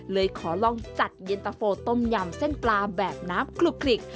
เลยขอลองจัดเย็นตะโฟต้มยำเส้นปลาแบบน้ำคลุกคลิก